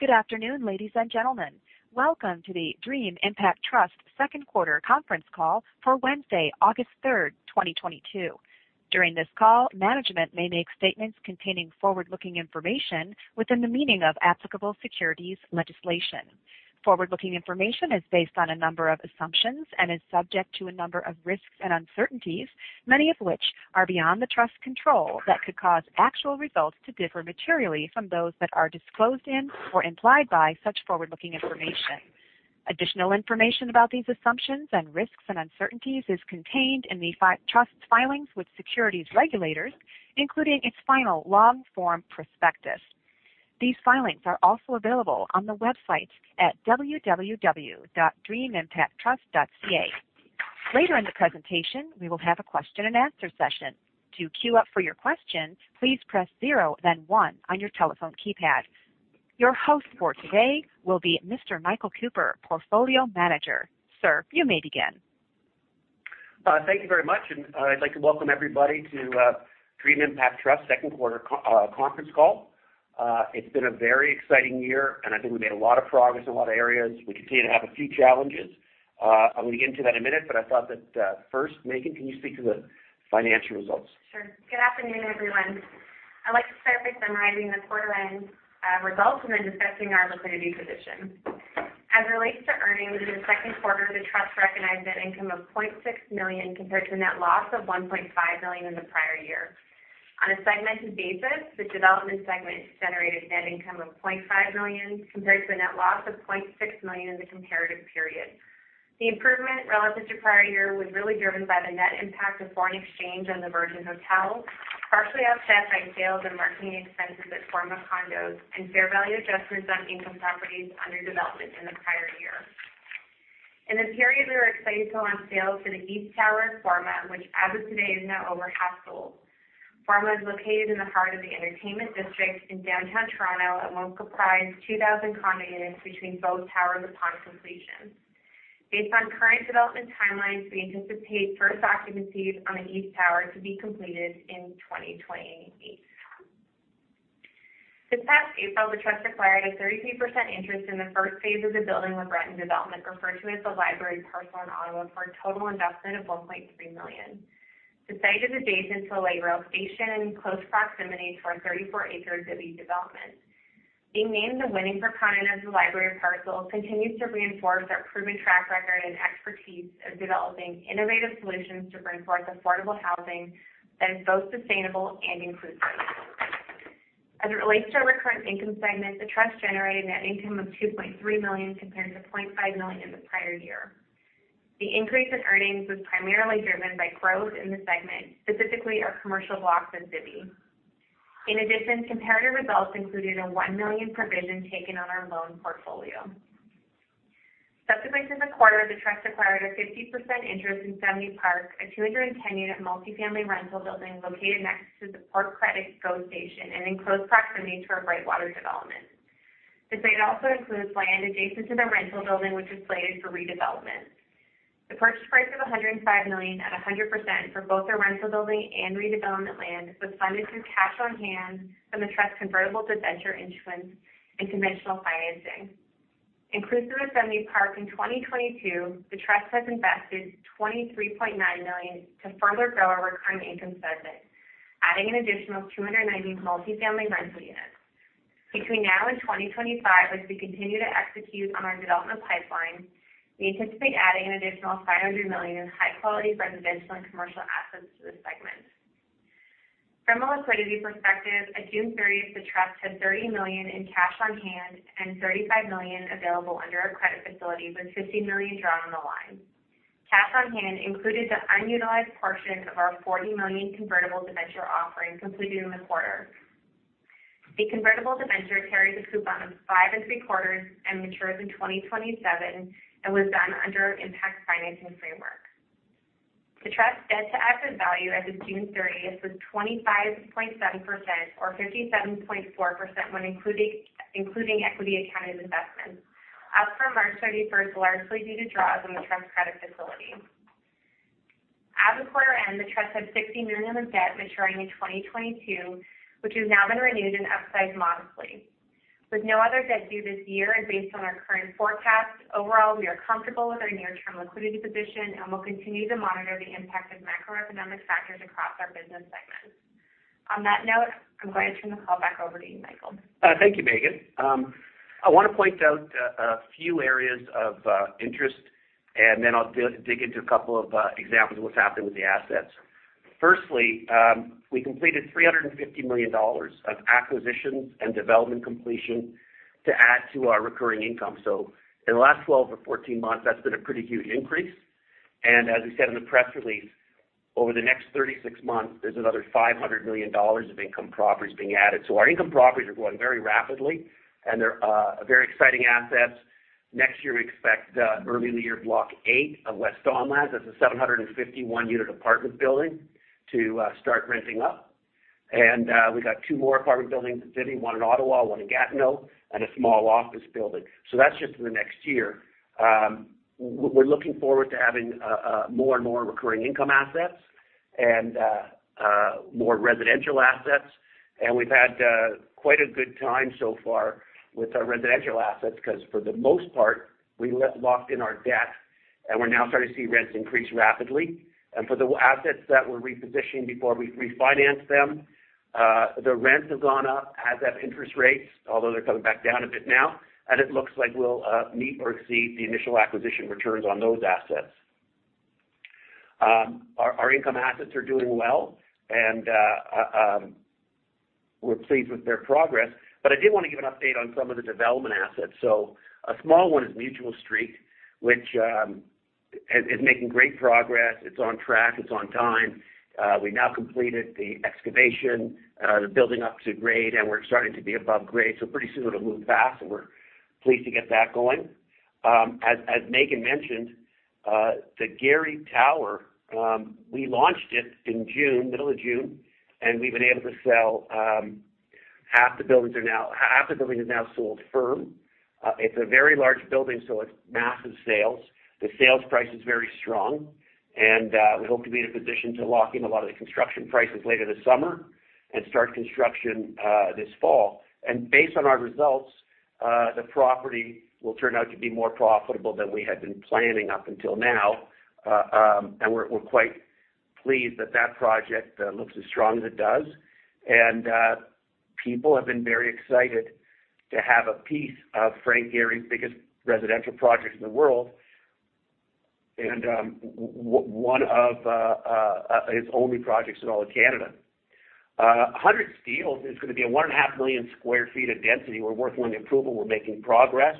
Good afternoon, ladies and gentlemen. Welcome to the Dream Impact Trust second quarter conference call for Wednesday, August 3, 2022. During this call, management may make statements containing forward-looking information within the meaning of applicable securities legislation. Forward-looking information is based on a number of assumptions and is subject to a number of risks and uncertainties, many of which are beyond the Trust's control that could cause actual results to differ materially from those that are disclosed in or implied by such forward-looking information. Additional information about these assumptions and risks and uncertainties is contained in the Trust filings with securities regulators, including its final long form prospectus. These filings are also available on the website at dreamimpacttrust.ca. Later in the presentation, we will have a question and answer session. To queue up for your question, please press zero, then one on your telephone keypad. Your host for today will be Mr. Michael Cooper, Chief Responsible Officer. Sir, you may begin. Thank you very much. I'd like to welcome everybody to Dream Impact Trust second quarter conference call. It's been a very exciting year, and I think we made a lot of progress in a lot of areas. We continue to have a few challenges. I'm gonna get into that in a minute, but I thought that first, Meaghan, can you speak to the financial results? Sure. Good afternoon, everyone. I'd like to start by summarizing the quarter end results and then discussing our liquidity position. As it relates to earnings, in the second quarter, the trust recognized net income of 0.6 million compared to a net loss of 1.5 million in the prior year. On a segmented basis, the development segment generated net income of 0.5 million compared to a net loss of 0.6 million in the comparative period. The improvement relative to prior year was really driven by the net impact of foreign exchange on the Virgin Hotels, partially offset by sales and marketing expenses at Forma Condos and fair value adjustments on income properties under development in the prior year. In the period, we were excited to launch sales for the east tower at Forma, which as of today is now over half sold. Forma is located in the heart of the entertainment district in downtown Toronto and will comprise 2,000 condo units between both towers upon completion. Based on current development timelines, we anticipate first occupancies on the east tower to be completed in 2028. This past April, the Trust acquired a 33% interest in the first phase of the building with LeBreton Development, referred to as the Library Parcel in Ottawa, for a total investment of 1.3 million. The site is adjacent to a light rail station in close proximity to our 34-acre Zibi development. Being named the winning proponent of the Library Parcel continues to reinforce our proven track record and expertise of developing innovative solutions to bring forth affordable housing that is both sustainable and inclusive. As it relates to our recurring income segment, the trust generated net income of 2.3 million compared to 0.5 million in the prior year. The increase in earnings was primarily driven by growth in the segment, specifically our commercial blocks in Zibi. In addition, comparative results included a 1 million provision taken on our loan portfolio. Subsequently this quarter, the trust acquired a 50% interest in Assembly Park, a 210-unit multi-family rental building located next to the Port Credit GO station and in close proximity to our Brightwater development. The site also includes land adjacent to the rental building, which is slated for redevelopment. The purchase price of 105 million at 100% for both the rental building and redevelopment land was funded through cash on hand from the trust convertible debenture issuance and conventional financing. Through Assembly Park in 2022, the trust has invested 23.9 million to further grow our recurring income segment, adding an additional 290 multi-family rental units. Between now and 2025, as we continue to execute on our development pipeline, we anticipate adding an additional 500 million high quality residential and commercial assets to this segment. From a liquidity perspective, at June 30, the trust had 30 million in cash on hand and 35 million available under our credit facility, with 15 million drawn on the line. Cash on hand included the unutilized portion of our 40 million convertible debenture offering completed in the quarter. The convertible debenture carries a coupon of 5.75% and matures in 2027 and was done under our impact financing framework. The trust debt-to-asset value as of June 30 was 25.7% or 57.4% when including equity accounted investments, up from March 31, largely due to draws on the trust credit facility. At the quarter end, the trust had 60 million of debt maturing in 2022, which has now been renewed and upsized modestly. With no other debt due this year and based on our current forecast, overall, we are comfortable with our near-term liquidity position, and we'll continue to monitor the impact of macroeconomic factors across our business segments. On that note, I'm going to turn the call back over to you, Michael. Thank you, Meaghan. I want to point out a few areas of interest, and then I'll dig into a couple of examples of what's happened with the assets. Firstly, we completed 350 million dollars of acquisitions and development completion to add to our recurring income. In the last 12 or 14 months, that's been a pretty huge increase. As we said in the press release, over the next 36 months, there's another 500 million dollars of income properties being added. Our income properties are growing very rapidly, and they're very exciting assets. Next year, we expect early in the year, Block 8 of West Don Lands. That's a 751-unit apartment building to start renting up. We've got two more apartment buildings in Zibi, one in Ottawa, one in Gatineau, and a small office building. That's just in the next year. We're looking forward to having more and more recurring income assets. More residential assets. We've had quite a good time so far with our residential assets because for the most part, we locked in our debt, and we're now starting to see rents increase rapidly. For the assets that we're repositioning before we refinance them, the rents have gone up as have interest rates, although they're coming back down a bit now, and it looks like we'll meet or exceed the initial acquisition returns on those assets. Our income assets are doing well, and we're pleased with their progress. I did wanna give an update on some of the development assets. A small one is Mutual Street, which is making great progress. It's on track. It's on time. We now completed the excavation, the building up to grade, and we're starting to be above grade. Pretty soon it'll move fast, and we're pleased to get that going. As Meaghan mentioned, the Gehry Tower, we launched it in June, middle of June, and we've been able to sell half the building is now sold firm. It's a very large building, so it's massive sales. The sales price is very strong, and we hope to be in a position to lock in a lot of the construction prices later this summer and start construction this fall. Based on our results, the property will turn out to be more profitable than we had been planning up until now, and we're quite pleased that that project looks as strong as it does. People have been very excited to have a piece of Frank Gehry's biggest residential project in the world and one of his only projects in all of Canada. 100 Steeles is gonna be 1.5 million sq ft of density. We're working on the approval. We're making progress,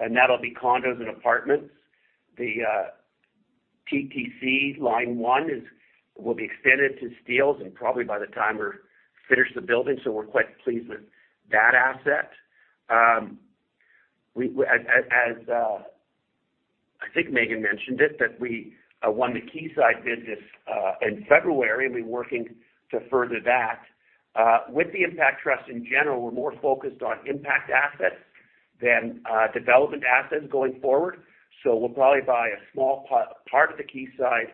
and that'll be condos and apartments. TTC Line 1 will be extended to Steeles and probably by the time we're finished the building, so we're quite pleased with that asset. I think Meaghan mentioned it, that we won the Quayside business in February, and we're working to further that. With the Impact Trust in general, we're more focused on impact assets than development assets going forward. We'll probably buy a small part of the Quayside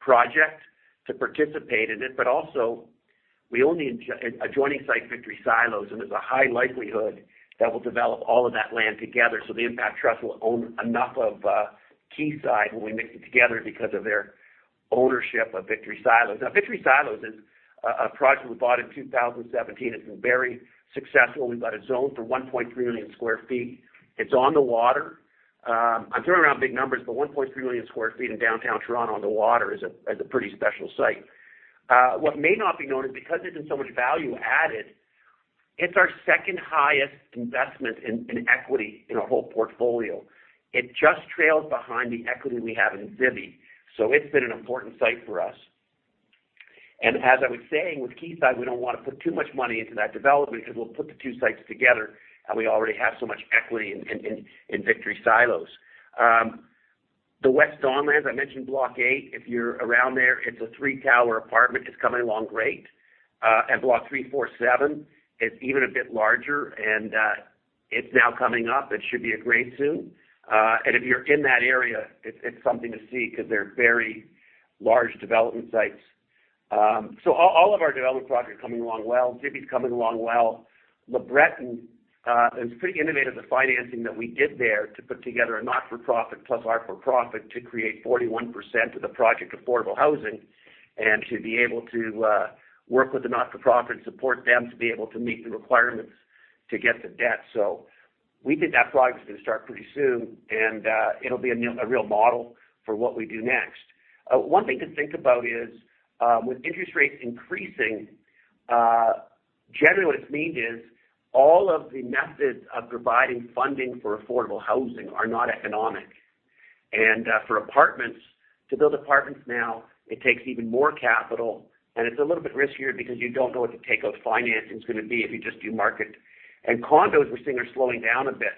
project to participate in it, but also we own the adjoining site Victory Silos, and there's a high likelihood that we'll develop all of that land together. The Impact Trust will own enough of Quayside when we mix it together because of their ownership of Victory Silos. Now Victory Silos is a project we bought in 2017. It's been very successful. We've got it zoned for 1.3 million sq ft. It's on the water. I'm throwing around big numbers, but 1.3 million sq ft in downtown Toronto on the water is a pretty special site. What may not be known is because there's been so much value added, it's our second highest investment in equity in our whole portfolio. It just trails behind the equity we have in Zibi, so it's been an important site for us. As I was saying, with Quayside, we don't wanna put too much money into that development because we'll put the two sites together, and we already have so much equity in Victory Silos. The West Don Lands, I mentioned Block A. If you're around there, it's a three-tower apartment. It's coming along great. And Block 347 is even a bit larger, and it's now coming up. It should be at grade soon. If you're in that area, it's something to see because they're very large development sites. All of our development projects are coming along well. Zibi's coming along well. LeBreton, it's pretty innovative, the financing that we did there to put together a not-for-profit plus our for-profit to create 41% of the project affordable housing and to be able to work with the not-for-profit and support them to be able to meet the requirements to get the debt. We think that project is gonna start pretty soon, and it'll be a real model for what we do next. One thing to think about is, with interest rates increasing, generally what it's meant is all of the methods of providing funding for affordable housing are not economic. For apartments, to build apartments now, it takes even more capital, and it's a little bit riskier because you don't know what the take of financing is gonna be if you just do market. Condos we're seeing are slowing down a bit.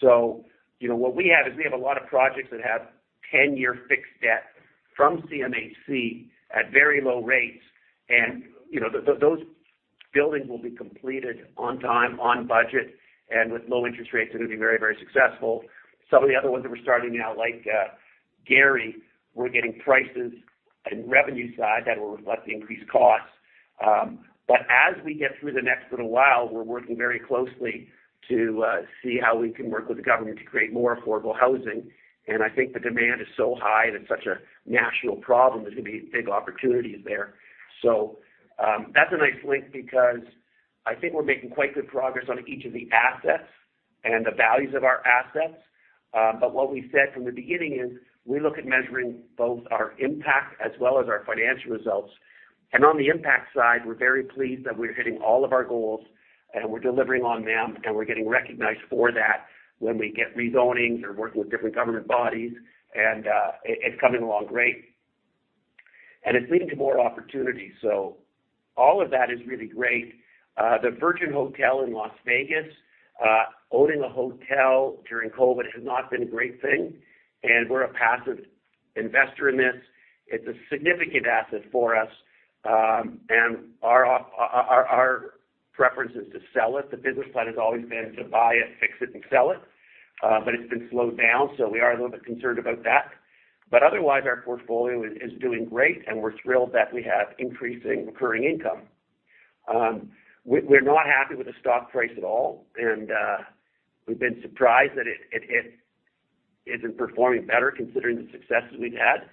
You know, what we have is we have a lot of projects that have 10-year fixed debt from CMHC at very low rates. You know, those buildings will be completed on time, on budget, and with low interest rates, they're gonna be very, very successful. Some of the other ones that we're starting now, like Gehry, we're getting prices in revenue side that will reflect the increased costs. As we get through the next little while, we're working very closely to see how we can work with the government to create more affordable housing. I think the demand is so high, and it's such a national problem, there's gonna be big opportunities there. That's a nice link because I think we're making quite good progress on each of the assets and the values of our assets. What we said from the beginning is we look at measuring both our impact as well as our financial results. On the impact side, we're very pleased that we're hitting all of our goals, and we're delivering on them, and we're getting recognized for that when we get rezonings or working with different government bodies. It's coming along great. It's leading to more opportunities. All of that is really great. The Virgin Hotels in Las Vegas, owning a hotel during COVID has not been a great thing, and we're a passive investor in this. It's a significant asset for us, and our preference is to sell it. The business plan has always been to buy it, fix it, and sell it. It's been slowed down, so we are a little bit concerned about that. Otherwise, our portfolio is doing great, and we're thrilled that we have increasing recurring income. We're not happy with the stock price at all. We've been surprised that it isn't performing better considering the successes we've had.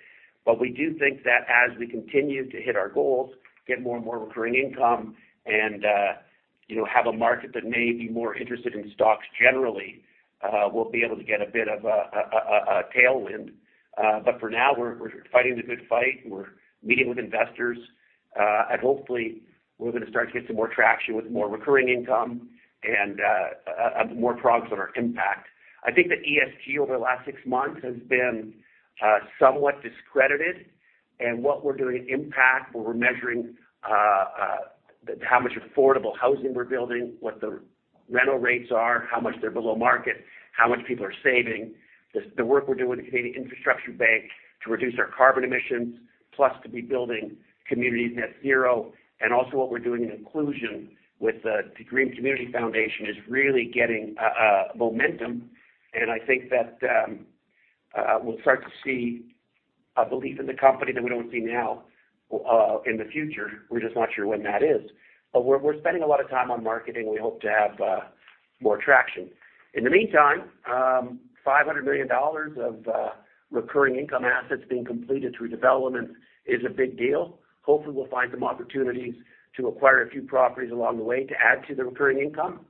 We do think that as we continue to hit our goals, get more and more recurring income and, you know, have a market that may be more interested in stocks generally, we'll be able to get a bit of a tailwind. For now we're fighting the good fight. We're meeting with investors. Hopefully, we're gonna start to get some more traction with more recurring income and more products that are Impact. I think that ESG over the last six months has been somewhat discredited. What we're doing at Impact, where we're measuring how much affordable housing we're building, what the rental rates are, how much they're below market, how much people are saving, the work we're doing with the Canadian Infrastructure Bank to reduce our carbon emissions, plus to be building communities net zero, and also what we're doing in inclusion with the Greenbelt Foundation is really getting momentum. I think that we'll start to see a belief in the company that we don't see now in the future. We're just not sure when that is. We're spending a lot of time on marketing. We hope to have more traction. In the meantime, 500 million dollars of recurring income assets being completed through development is a big deal. Hopefully, we'll find some opportunities to acquire a few properties along the way to add to the recurring income.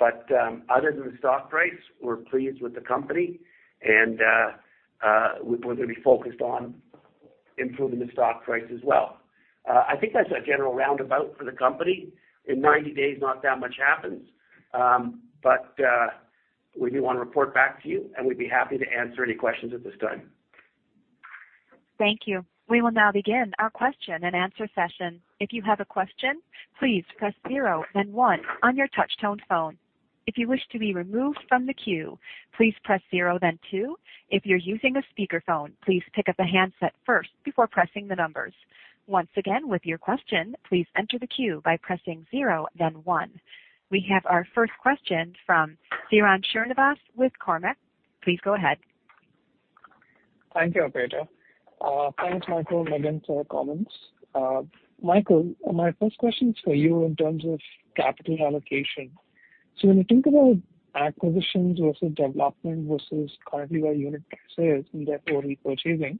Other than the stock price, we're pleased with the company and we're gonna be focused on improving the stock price as well. I think that's a general roundabout for the company. In 90 days, not that much happens. We do wanna report back to you, and we'd be happy to answer any questions at this time. Thank you. We will now begin our question-and-answer session. If you have a question, please press zero then one on your touchtone phone. If you wish to be removed from the queue, please press zero then two. If you're using a speakerphone, please pick up a handset first before pressing the numbers. Once again, with your question, please enter the queue by pressing zero then one. We have our first question from Sairam Srinivas with Cormark. Please go ahead. Thank you, operator. Thanks, Michael and Meaghan, for the comments. Michael, my first question is for you in terms of capital allocation. When you think about acquisitions versus development versus currently where unit price is and therefore repurchasing,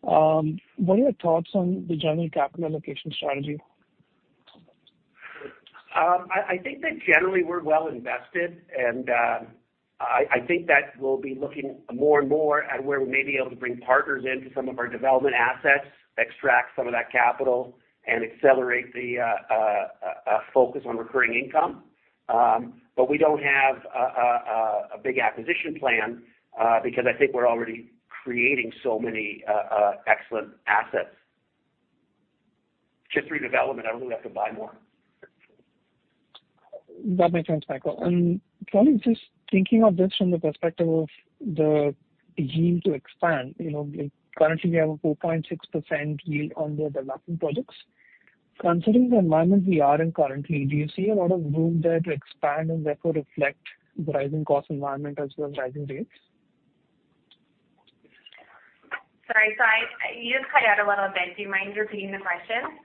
what are your thoughts on the general capital allocation strategy? I think that generally we're well invested. I think that we'll be looking more and more at where we may be able to bring partners into some of our development assets, extract some of that capital and accelerate the focus on recurring income. We don't have a big acquisition plan because I think we're already creating so many excellent assets. Just redevelopment. I don't think we have to buy more. That makes sense, Michael. Probably just thinking of this from the perspective of the yield to expand, you know, currently we have a 4.6% yield on the development projects. Considering the environment we are in currently, do you see a lot of room there to expand and therefore reflect the rising cost environment as well as rising rates? Sorry, Sir. You just cut out a little bit. Do you mind repeating the question?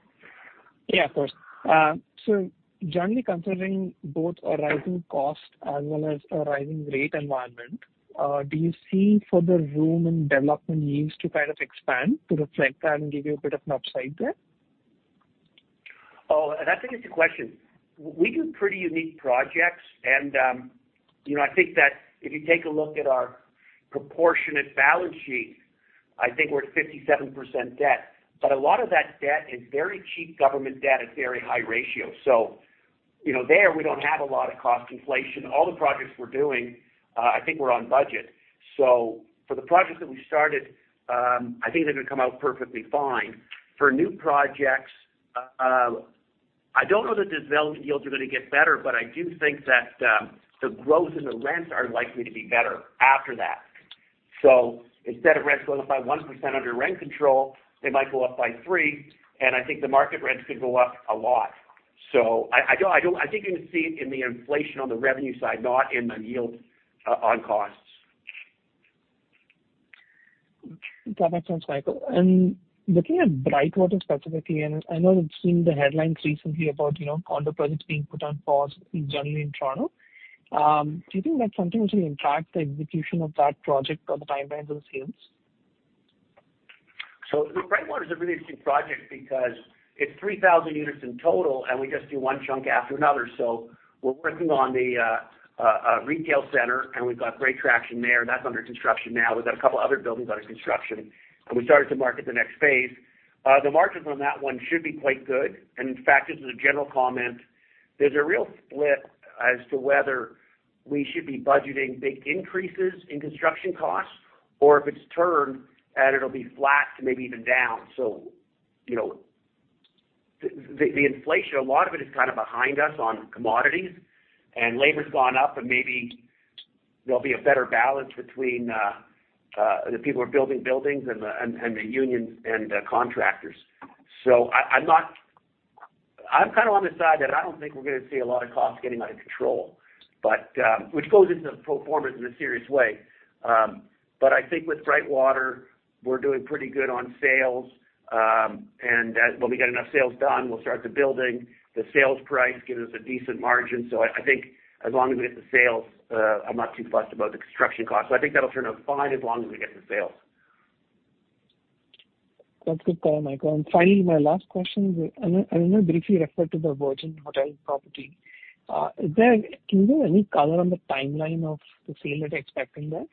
Yeah, of course. Generally considering both a rising cost as well as a rising rate environment, do you see further room and development yields to kind of expand to reflect that and give you a bit of an upside there? Oh, that's an interesting question. We do pretty unique projects and, you know, I think that if you take a look at our proportionate balance sheet, I think we're at 57% debt. A lot of that debt is very cheap government debt at very high ratio. You know, there we don't have a lot of cost inflation. All the projects we're doing, I think we're on budget. For the projects that we started, I think they're gonna come out perfectly fine. For new projects, I don't know that development yields are gonna get better, but I do think that, the growth in the rents are likely to be better after that. Instead of rents going up by 1% under rent control, they might go up by 3%, and I think the market rents could go up a lot. I do. I think you would see it in the inflation on the revenue side, not in the yield on costs. That makes sense, Michael. Looking at Brightwater specifically, and I know we've seen the headlines recently about, you know, condo projects being put on pause generally in Toronto, do you think that's something which will impact the execution of that project or the timelines or the sales? Brightwater is a really interesting project because it's 3,000 units in total, and we just do one chunk after another. We're working on the retail center, and we've got great traction there. That's under construction now. We've got a couple other buildings under construction, and we started to market the next phase. The margins on that one should be quite good. In fact, this is a general comment: There's a real split as to whether we should be budgeting big increases in construction costs or if it's turned, and it'll be flat to maybe even down. You know, the inflation, a lot of it is kind of behind us on commodities and labor's gone up, and maybe there'll be a better balance between the people who are building buildings and the unions and the contractors. I'm kind of on the side that I don't think we're gonna see a lot of costs getting out of control, which goes into pro formas in a serious way. I think with Brightwater, we're doing pretty good on sales. When we get enough sales done, we'll start the building. The sales price gives us a decent margin. I think as long as we get the sales, I'm not too fussed about the construction cost. I think that'll turn out fine as long as we get the sales. That's good, Michael. Finally, my last question. Anna briefly referred to the Virgin Hotels property. Can you give any color on the timeline of the sale that you're expecting there?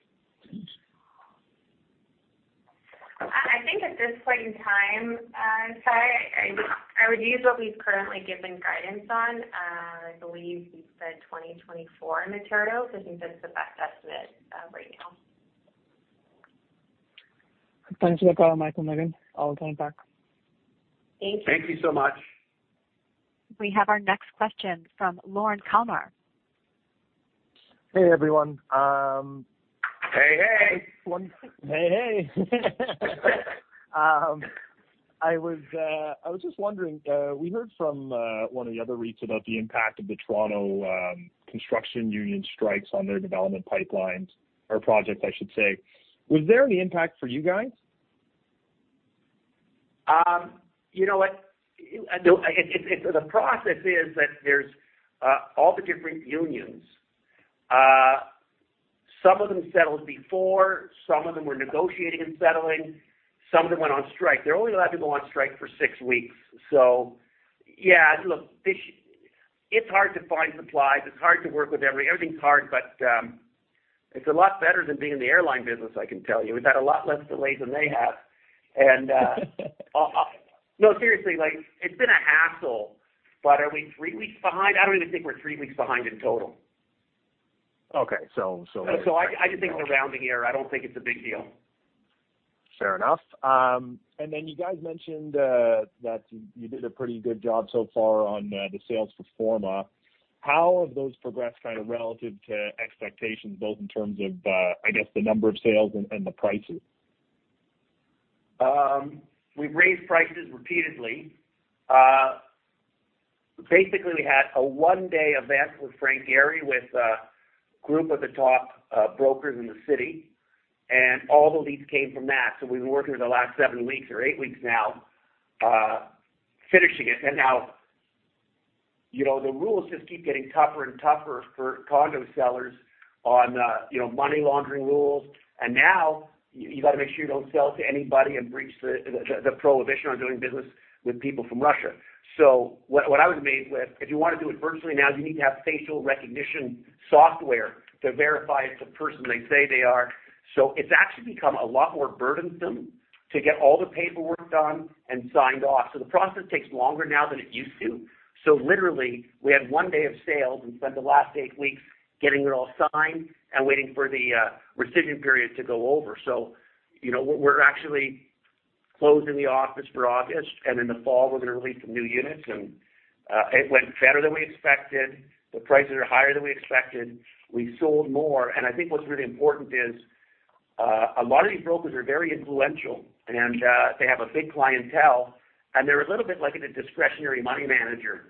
I think at this point in time, sorry, I would use what we've currently given guidance on. I believe we've said 2024 in the materials. I think that's the best estimate right now. Thanks for the call, Michael, Meaghan. I'll turn it back. Thank you. Thank you so much. We have our next question from Lorne Kalmar. Hey, everyone. Hey, hey. Hey, hey. I was just wondering, we heard from one of the other REITs about the impact of the Toronto construction union strikes on their development pipelines or projects, I should say. Was there any impact for you guys? You know what? The process is that there's all the different unions. Some of them settled before, some of them were negotiating and settling, some of them went on strike. They're only allowed to go on strike for six weeks. Yeah, look, it's hard to find supplies. It's hard to work with everything. Everything's hard, but it's a lot better than being in the airline business, I can tell you. We've had a lot less delays than they have. No, seriously, like, it's been a hassle, but are we three weeks behind? I don't even think we're three weeks behind in total. Okay. I just think it's a rounding error. I don't think it's a big deal. Fair enough. You guys mentioned that you did a pretty good job so far on the sales for Forma. How have those progressed kind of relative to expectations, both in terms of, I guess, the number of sales and the prices? We've raised prices repeatedly. Basically, we had a one-day event with Frank Gehry, with a group of the top brokers in the city, and all the leads came from that. We've been working for the last seven weeks or eight weeks now, finishing it. Now, you know, the rules just keep getting tougher and tougher for condo sellers on, you know, money laundering rules. Now you gotta make sure you don't sell to anybody and breach the prohibition on doing business with people from Russia. What I was amazed with, if you wanna do it virtually now, you need to have facial recognition software to verify it's the person they say they are. It's actually become a lot more burdensome to get all the paperwork done and signed off. The process takes longer now than it used to. Literally, we had one day of sales and spent the last eight weeks getting it all signed and waiting for the rescission period to go over. You know, we're actually closing the office for August, and in the fall, we're gonna release some new units. It went better than we expected. The prices are higher than we expected. We sold more. I think what's really important is a lot of these brokers are very influential, and they have a big clientele, and they're a little bit like a discretionary money manager.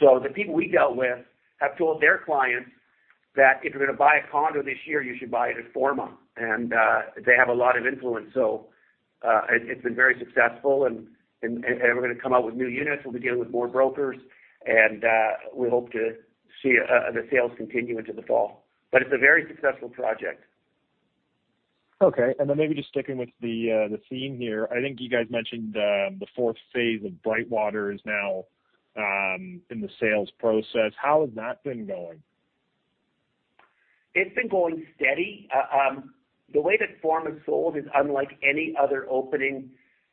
The people we dealt with have told their clients that if you're gonna buy a condo this year, you should buy it at Forma. They have a lot of influence. It's been very successful and we're gonna come out with new units. We'll be dealing with more brokers, and we hope to see the sales continue into the fall. It's a very successful project. Okay. Maybe just sticking with the theme here. I think you guys mentioned the fourth phase of Brightwater is now in the sales process. How has that been going? It's been going steady. The way that Forma's sold is unlike any other opening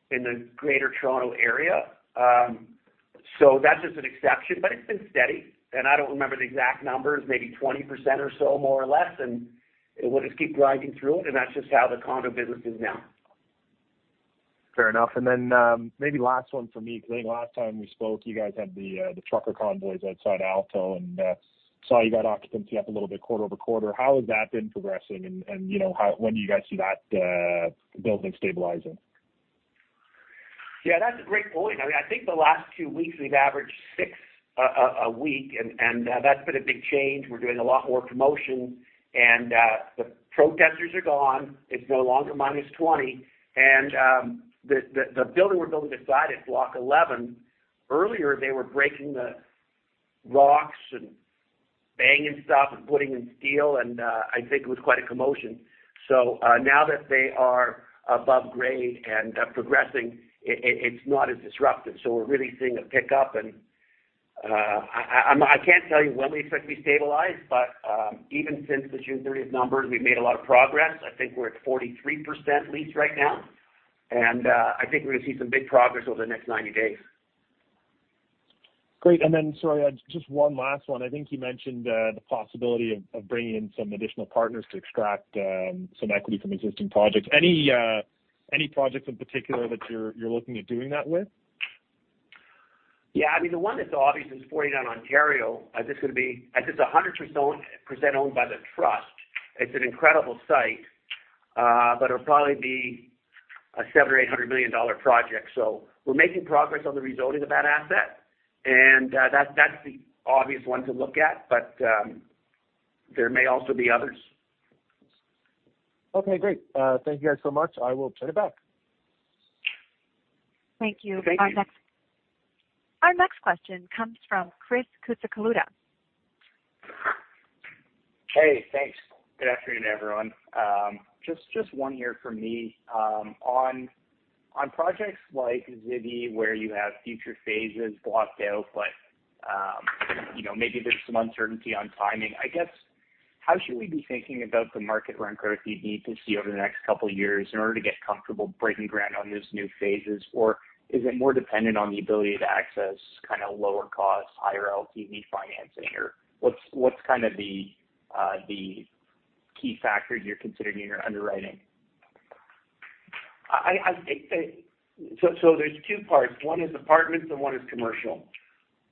in the Greater Toronto Area. That's just an exception, but it's been steady. I don't remember the exact numbers, maybe 20% or so, more or less, and we'll just keep grinding through it, and that's just how the condo business is now. Fair enough. Maybe last one for me. I think last time we spoke, you guys had the trucker convoys outside Ottawa and so you got occupancy up a little bit quarter over quarter. How has that been progressing, and you know, when do you guys see that building stabilizing? Yeah, that's a great point. I mean, I think the last two weeks we've averaged six a week, and that's been a big change. We're doing a lot more promotion, and the protesters are gone. It's no longer minus 20. The building we're building beside is Block 11. Earlier, they were breaking the rocks and banging stuff and putting in steel, and I think it was quite a commotion. Now that they are above grade and progressing, it's not as disruptive. We're really seeing a pickup. I can't tell you when we expect to be stabilized, but even since the June thirtieth numbers, we've made a lot of progress. I think we're at 43% leased right now. I think we're gonna see some big progress over the next 90 days. Great. Sorry, just one last one. I think you mentioned the possibility of bringing in some additional partners to extract some equity from existing projects. Any projects in particular that you're looking at doing that with? I mean, the one that's obvious is 49 Ontario. This is 100% owned by the trust. It's an incredible site, but it'll probably be a 700 million or 800 million dollar project. We're making progress on the rezoning of that asset, and that's the obvious one to look at. But there may also be others. Okay, great. Thank you guys so much. I will turn it back. Thank you. Thank you. Our next question comes from Chris Coutsoukaloulos. Hey, thanks. Good afternoon, everyone. Just one here from me. On projects like Zibi, where you have future phases blocked out, but you know, maybe there's some uncertainty on timing. I guess, how should we be thinking about the market rent growth you need to see over the next couple of years in order to get comfortable breaking ground on these new phases? Or is it more dependent on the ability to access kind of lower cost, higher LTV financing? Or what's kind of the key factors you're considering in your underwriting? There's two parts. One is apartments and one is commercial.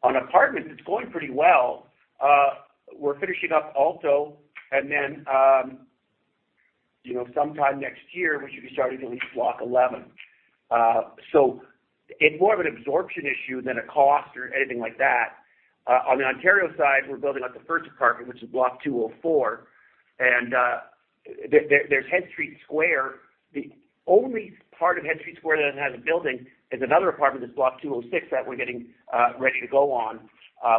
On apartments, it's going pretty well. We're finishing up Alto, and then, you know, sometime next year, we should be starting to lease block 11. It's more of an absorption issue than a cost or anything like that. On the Ontario side, we're building out the first apartment, which is block 204, and there's Eddy Street Square. The only part of Eddy Street Square that doesn't have a building is another apartment, that's block 206, that we're getting ready to go on.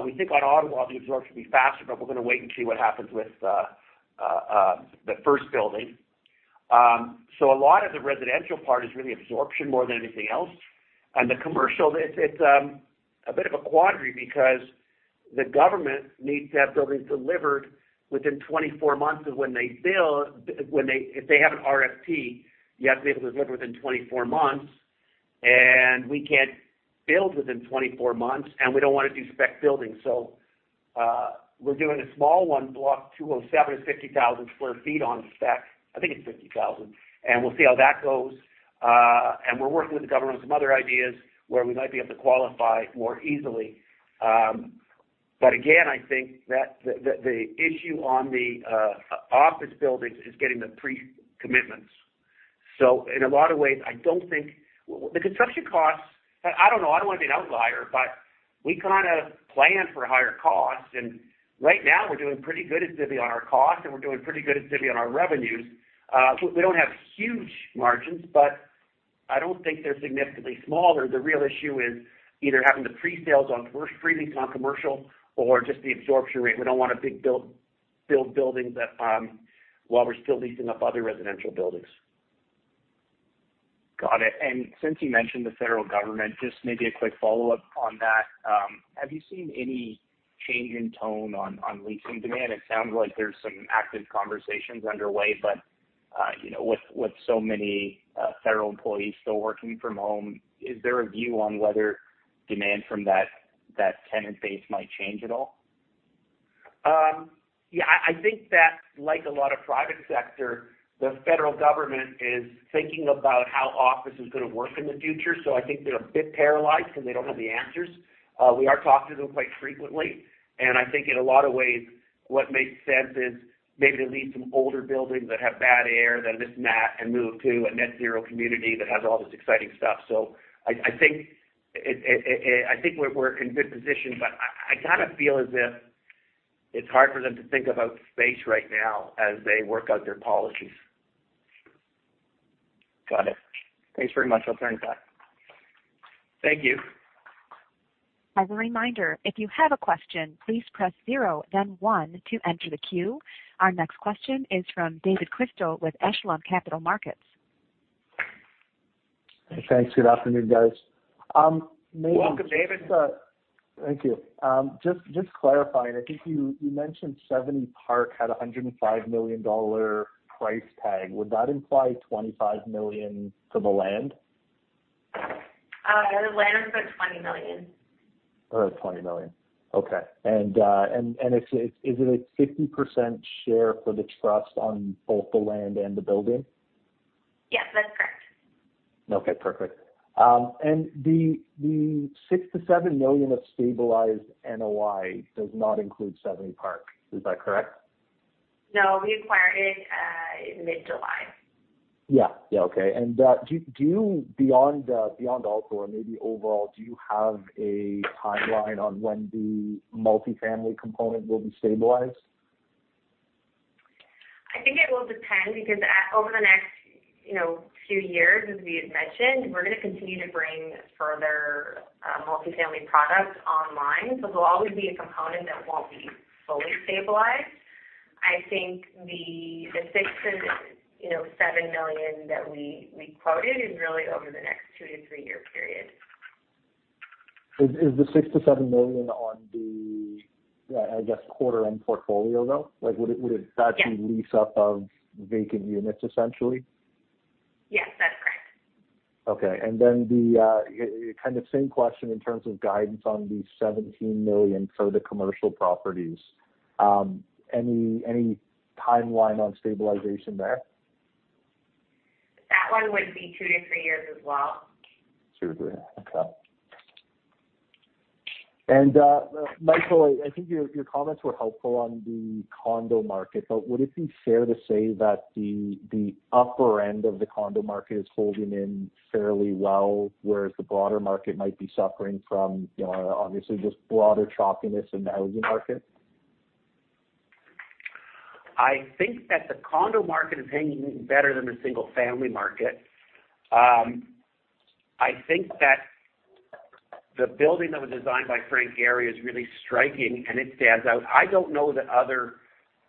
We think on Ottawa, the absorption will be faster, but we're gonna wait and see what happens with the first building. A lot of the residential part is really absorption more than anything else. On the commercial, it's a bit of a quandary because the government needs to have buildings delivered within 24 months of when they build. If they have an RFP, you have to be able to deliver within 24 months, and we can't build within 24 months, and we don't wanna do spec building. We're doing a small one, Block 207, it's 50,000 sq ft on spec. I think it's 50,000. And we'll see how that goes. We're working with the government on some other ideas where we might be able to qualify more easily. But again, I think that the issue on the office buildings is getting the pre-commitments. In a lot of ways, I don't think. The construction costs, I don't know, I don't want to be an outlier, but we kinda planned for higher costs, and right now we're doing pretty good at Zibi on our costs, and we're doing pretty good at Zibi on our revenues. We don't have huge margins, but I don't think they're significantly smaller. The real issue is either having the presales on first leasing on commercial or just the absorption rate. We don't wanna build buildings that while we're still leasing up other residential buildings. Got it. Since you mentioned the federal government, just maybe a quick follow-up on that. Have you seen any change in tone on leasing demand? It sounds like there's some active conversations underway, but you know, with so many federal employees still working from home, is there a view on whether demand from that tenant base might change at all? Yeah, I think that like a lot of private sector, the federal government is thinking about how office is gonna work in the future. I think they're a bit paralyzed because they don't have the answers. We are talking to them quite frequently, and I think in a lot of ways, what makes sense is maybe to lease some older buildings that have bad air, that are this and that, and move to a net zero community that has all this exciting stuff. I think we're in a good position, but I kinda feel as if it's hard for them to think about space right now as they work out their policies. Got it. Thanks very much. I'll turn it back. Thank you. As a reminder, if you have a question, please press zero then one to enter the queue. Our next question is from David Crystal with Echelon Capital Markets. Thanks. Good afternoon, guys. Welcome, David. Thank you. Just clarifying, I think you mentioned Assembly Park had a 105 million dollar price tag. Would that imply 25 million for the land? The land was like 20 million. All right, 20 million. Okay. Is it a 50% share for the trust on both the land and the building? Yes, that's correct. Okay, perfect. The 6-7 million of stabilized NOI does not include Assembly Park. Is that correct? No, we acquired it in mid-July. Yeah. Yeah. Okay. Beyond Alto or maybe overall, do you have a timeline on when the multi-family component will be stabilized? I think it will depend because over the next, you know, few years, as we had mentioned, we're gonna continue to bring further multi-family products online. There'll always be a component that won't be fully stabilized. I think the six to, you know, seven million that we quoted is really over the next 2-3-year period. Is the 6-7 million on the, I guess, quarter-end portfolio, though? Like, would it Yes. Actually lease up of vacant units, essentially? Yes, that's correct. Okay. The kind of same question in terms of guidance on the 17 million for the commercial properties. Any timeline on stabilization there? That one would be 2-3 years as well. 2-3. Okay. Michael, I think your comments were helpful on the condo market, but would it be fair to say that the upper end of the condo market is holding in fairly well, whereas the broader market might be suffering from, you know, obviously just broader choppiness in the housing market? I think that the condo market is hanging in better than the single-family market. I think that the building that was designed by Frank Gehry is really striking, and it stands out. I don't know that other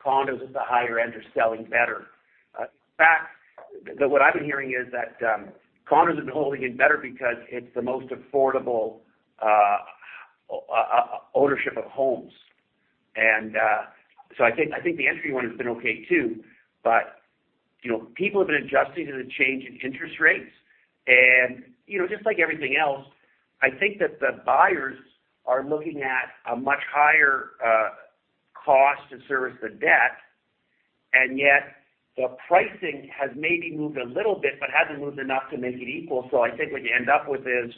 condos at the higher end are selling better. In fact, what I've been hearing is that condos have been holding in better because it's the most affordable ownership of homes. I think the entry one has been okay too. You know, people have been adjusting to the change in interest rates. You know, just like everything else, I think that the buyers are looking at a much higher cost to service the debt. Yet the pricing has maybe moved a little bit but hasn't moved enough to make it equal. I think what you end up with is,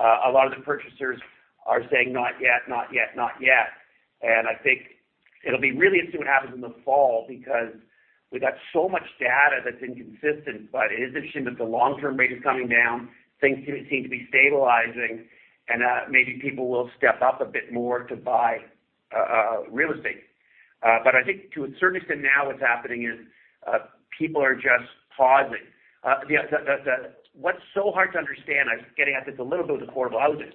a lot of the purchasers are saying not yet, not yet, not yet. I think it'll be really interesting what happens in the fall because we got so much data that's inconsistent. It is interesting that the long-term rate is coming down, things do seem to be stabilizing, and, maybe people will step up a bit more to buy, real estate. I think to a certain extent now what's happening is, people are just pausing. What's so hard to understand, I was getting at this a little bit with affordable housing.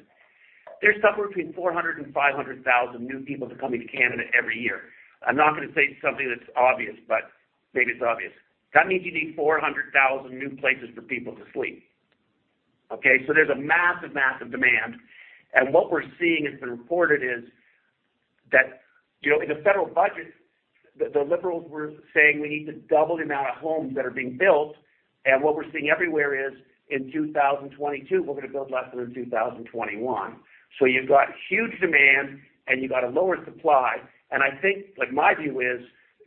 There's somewhere between 400,000 and 500,000 new people coming to Canada every year. I'm not gonna say something that's obvious, but maybe it's obvious. That means you need 400,000 new places for people to sleep. Okay. There's a massive demand. What we're seeing has been reported is that, you know, in the federal budget, the Liberals were saying we need to double the amount of homes that are being built. What we're seeing everywhere is in 2022, we're gonna build less than in 2021. You've got huge demand, and you've got a lower supply. I think, like my view is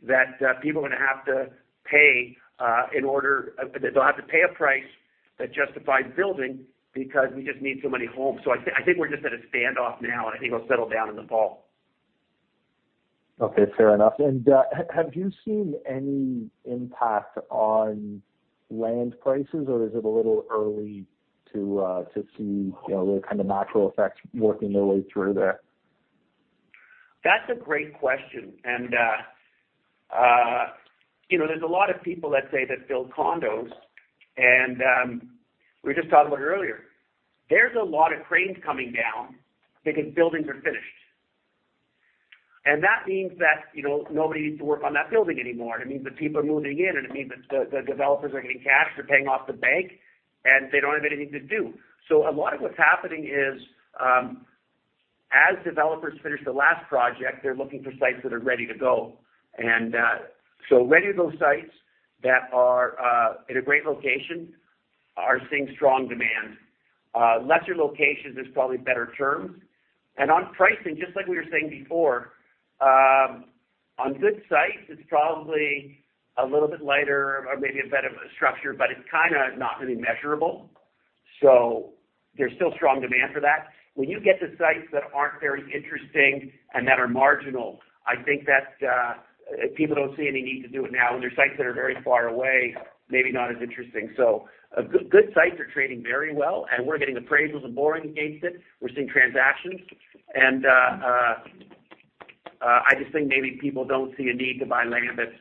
that, people are gonna have to pay, they'll have to pay a price that justifies building because we just need so many homes. I think we're just at a standoff now, and I think it'll settle down in the fall. Okay, fair enough. Have you seen any impact on land prices, or is it a little early to see, you know, the kind of natural effects working their way through there? That's a great question. You know, there's a lot of people that say that build condos, and we just talked about it earlier. There's a lot of cranes coming down because buildings are finished. That means that, you know, nobody needs to work on that building anymore. It means that people are moving in, and it means that the developers are getting cash, they're paying off the bank, and they don't have anything to do. A lot of what's happening is, as developers finish the last project, they're looking for sites that are ready to go. So many of those sites that are in a great location are seeing strong demand. Lesser locations, there's probably better terms. On pricing, just like we were saying before, on good sites, it's probably a little bit lighter or maybe a bit of a structure, but it's kinda not really measurable. So there's still strong demand for that. When you get to sites that aren't very interesting and that are marginal, I think that people don't see any need to do it now. There are sites that are very far away, maybe not as interesting. Good sites are trading very well, and we're getting appraisals and borrowing against it. We're seeing transactions. I just think maybe people don't see a need to buy land that's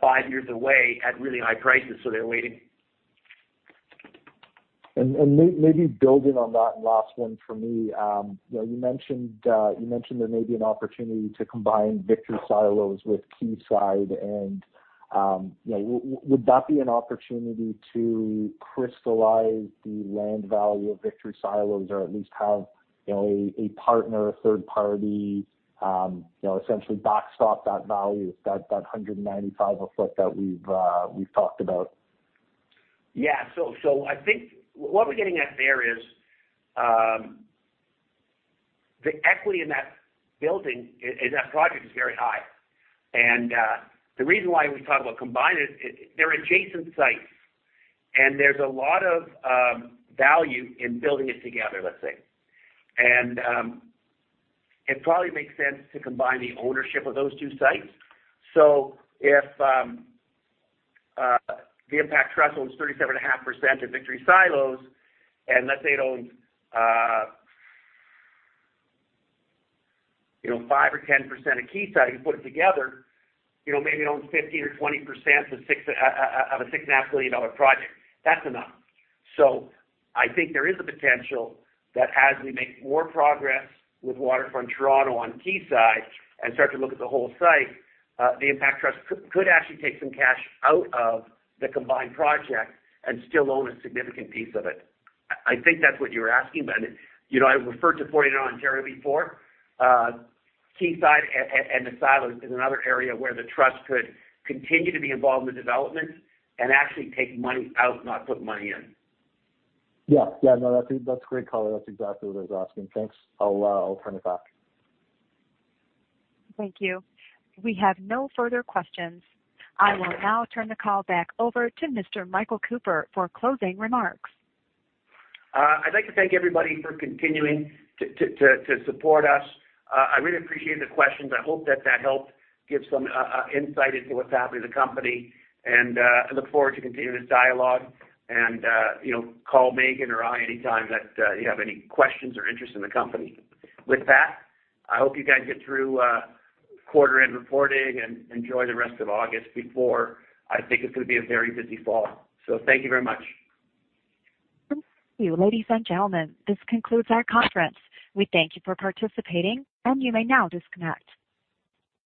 five years away at really high prices, so they're waiting. Maybe building on that last one for me. You know, you mentioned there may be an opportunity to combine Victory Silos with Quayside and, you know, would that be an opportunity to crystallize the land value of Victory Silos or at least have, you know, a partner, a third party, you know, essentially box off that value, that 195 a foot that we've talked about? Yeah. I think what we're getting at there is the equity in that building, in that project is very high. The reason why we talk about combine it is they're adjacent sites, and there's a lot of value in building it together, let's say. It probably makes sense to combine the ownership of those two sites. If the Impact Trust owns 37.5% of Victory Silos, and let's say it owns, you know, 5% or 10% of Quayside, you put it together, you know, maybe it owns 15% or 20% of a 6.5 million dollar project. That's enough. I think there is a potential that as we make more progress with Waterfront Toronto on Quayside and start to look at the whole site, the Impact Trust could actually take some cash out of the combined project and still own a significant piece of it. I think that's what you were asking. You know, I referred to Port Lands, Ontario before. Quayside and the Silos is another area where the trust could continue to be involved in the development and actually take money out, not put money in. Yeah, no, that's a great color. That's exactly what I was asking. Thanks. I'll turn it back. Thank you. We have no further questions. I will now turn the call back over to Mr. Michael Cooper for closing remarks. I'd like to thank everybody for continuing to support us. I really appreciate the questions. I hope that helped give some insight into what's happening in the company. I look forward to continuing this dialogue. You know, call Meaghan or I anytime that you have any questions or interest in the company. With that, I hope you guys get through quarter end reporting and enjoy the rest of August before I think it's gonna be a very busy fall. Thank you very much. Thank you. Ladies and gentlemen, this concludes our conference. We thank you for participating, and you may now disconnect.